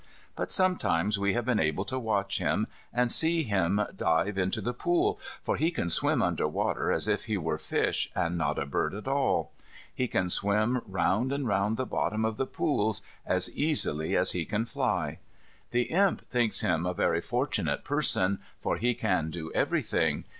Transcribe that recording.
But sometimes we have been able to watch him, and see him dive into the pool; for he can swim under water as if he were fish and not a bird at all. He can swim round and round the bottom of the pools as easily as he can fly. The Imp thinks him a very fortunate person; for he can do everything.